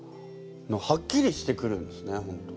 はっきりしてくるんですね本当。